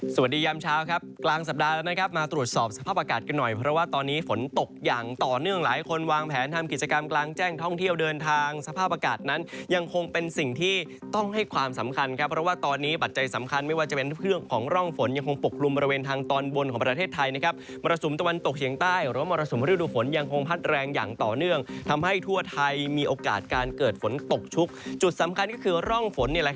สวัสดียามเช้าครับกลางสัปดาห์แล้วนะครับมาตรวจสอบสภาพอากาศกันหน่อยเพราะว่าตอนนี้ฝนตกอย่างต่อเนื่องหลายคนวางแผนทำกิจกรรมกลางแจ้งท่องเที่ยวเดินทางสภาพอากาศนั้นยังคงเป็นสิ่งที่ต้องให้ความสำคัญครับเพราะว่าตอนนี้บัตรใจสำคัญไม่ว่าจะเป็นเรื่องของร่องฝนยังคงปกลุ่มบริเวณทาง